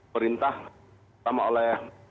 perintah sama oleh